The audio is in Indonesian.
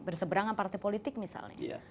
berseberangan partai politik misalnya